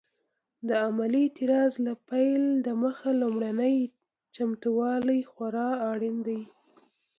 د عملي اعتراض له پیل دمخه لومړني چمتووالي خورا اړین دي.